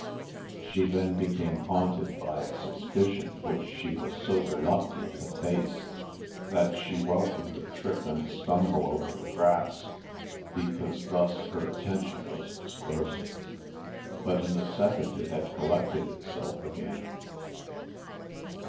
She then became haunted by a suspicion which she was so reluctant to face that she welcomed a trip and stumble over the grass because thus her attention was dispersed, but in a second it had collected itself again.